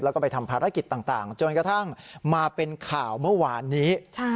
แล้วก็ไปทำภารกิจต่างจนกระทั่งมาเป็นข่าวเมื่อวานนี้